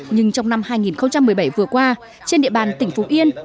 nhưng trong năm hai nghìn một mươi bảy vừa qua trên địa bàn tỉnh phú yên